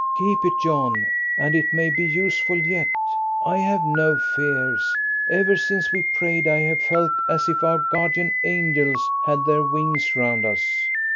"Keep it, John, and it may be useful yet. I have no fears. Ever since we prayed I have felt as if our guardian angels had their wings round us."